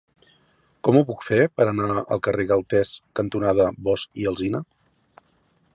Com ho puc fer per anar al carrer Galtés cantonada Bosch i Alsina?